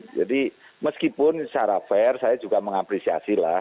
jadi meskipun secara fair saya juga mengapresiasilah